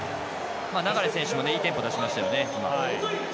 流選手もいいテンポ出しましたよね、今。